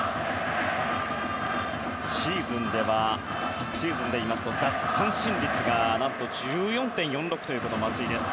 昨シーズンでいうと奪三振率が１４．４６という松井です。